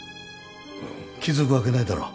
気付くわけないだろ。